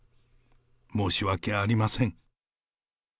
申し訳ありません。